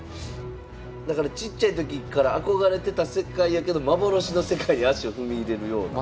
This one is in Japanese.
だからちっちゃい時から憧れてた世界やけど幻の世界に足を踏み入れるような。